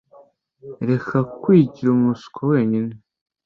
Reka kwigira umuswa wenyine.